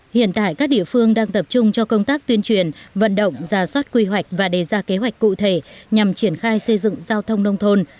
hiện tại các địa phương đang tập trung cho công tác tuyên truyền vận động giả soát quy hoạch và đề ra kế hoạch cụ thể nhằm triển khai xây dựng giao thông nông thôn